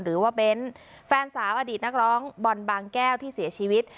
เบ้นแฟนสาวอดีตนักร้องบอลบางแก้วที่เสียชีวิต